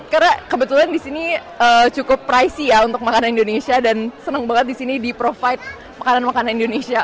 karena kebetulan disini cukup pricey ya untuk makanan indonesia dan senang banget disini di provide makanan makanan indonesia